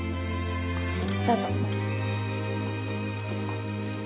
どうぞ。